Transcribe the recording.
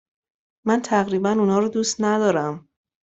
من تقریبا آنها را دوست ندارم.